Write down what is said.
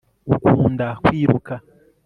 ukunda kwiruka